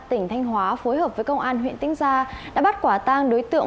tỉnh thanh hóa phối hợp với công an huyện tĩnh gia đã bắt quả tang đối tượng